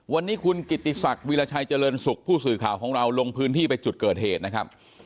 วันนี้คุณกิติศักดิ์วิราชัยเจริญสุขผู้สื่อข่าวของเราลงพื้นที่ไปจุดเกิดเหตุนะครับ